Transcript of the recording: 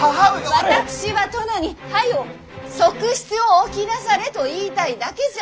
私は殿に早う側室を置きなされと言いたいだけじゃ！